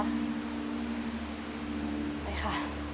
ไปค่ะ